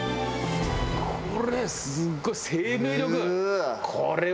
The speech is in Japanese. これすごい。生命力！